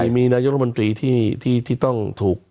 มีนายกรมนตรีที่ต้องถูก